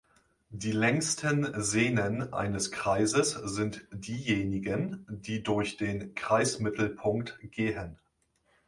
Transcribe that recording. Die längsten Sehnen eines Kreises sind diejenigen, die durch den Kreismittelpunkt gehen.